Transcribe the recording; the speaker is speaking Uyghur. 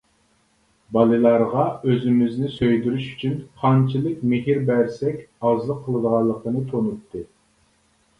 بالىلارغا ئۆزىمىزنى سۆيدۈرۈش ئۈچۈن قانچىلىك مېھىر بەرسەك ئازلىق قىلىدىغانلىقىنى تونۇتتى.